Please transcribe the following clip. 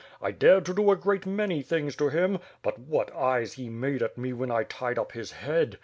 I dared to do a great many things to him; but what eyes he made at me when»I tied up his head!